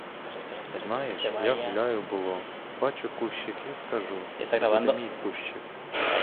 Знаєш, я гуляю було, побачу кущик і скажу: це буде мій кущик.